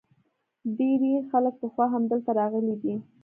ډیری خلک پخوا هم دلته راغلي دي